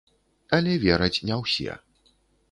Але вераць не ўсе.